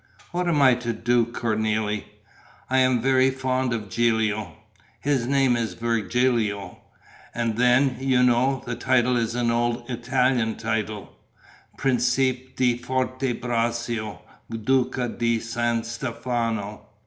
What am I to do, Cornélie? I'm very fond of Gilio: his name is Virgilio. And then, you know, the title is an old Italian title: Principe di Forte Braccio, Duca di San Stefano....